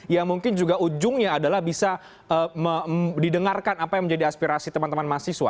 yang mungkin juga ujungnya adalah bisa didengarkan apa yang menjadi aspirasi teman teman mahasiswa